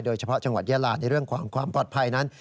โดยเฉพาะจังหวัดยาลาในเรื่องของความปลอดภัยนั้น